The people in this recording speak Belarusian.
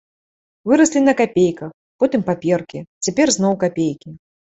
Выраслі на капейках, потым паперкі, цяпер зноў капейкі.